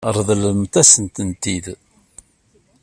Ṛeḍlemt-asen-tent-id.